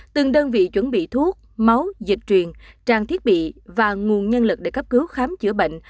từng đơn vị chuẩn bị thuốc máu dịch truyền trang thiết bị và nguồn nhân lực để cấp cứu khám chữa bệnh